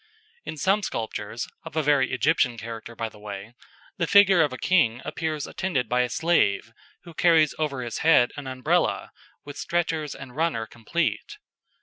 In some sculptures of a very Egyptian character, by the way the figure of a king appears attended by a slave, who carries over his head an Umbrella, with stretchers and runner complete.